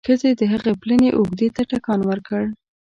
ښځې د هغه پلنې اوږې ته ټکان ورکړ.